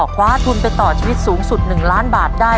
คว้าทุนไปต่อชีวิตสูงสุด๑ล้านบาทได้